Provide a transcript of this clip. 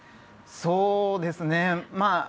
そうですね。